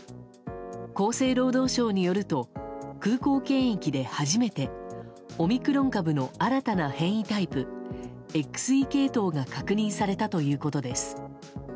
厚生労働省によりますと空港検疫で初めてオミクロン株の新たな変異タイプＸＥ系統が確認されたということです。